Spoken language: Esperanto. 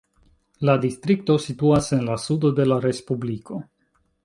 La distrikto situas en la sudo de la respubliko.